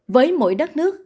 với mỗi đất nước